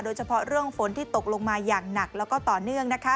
โดยเฉพาะเรื่องฝนที่ตกลงมาอย่างหนักแล้วก็ต่อเนื่องนะคะ